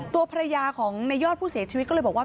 ตัวภรรยาของในยอดผู้เสียชีวิตก็เลยบอกว่า